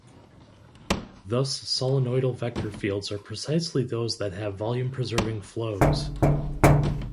Thus solenoidal vector fields are precisely those that have volume-preserving flows.